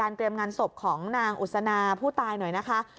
กับการเกรียมงานศพของนางอุษณาผู้ตายหน่อยนะคะ